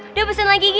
udah pesen lagi gi